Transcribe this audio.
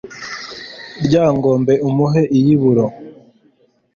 lyangombe umuhe iyuburo